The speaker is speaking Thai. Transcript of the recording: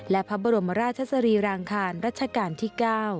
และพระบรมราชสรีรางคารรัชกาลที่๙